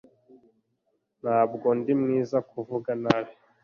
Ntabwo ndi mwiza kuvuga nabi.